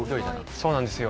そうなんですよ。